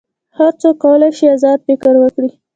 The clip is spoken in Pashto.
هر څوک کولی شي آزاد فکر وکړي.